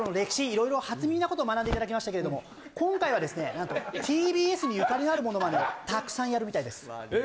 色々初耳なことを学んでいただきましたけれども今回はですね何とＴＢＳにゆかりのあるものまねをたくさんやるみたいですええ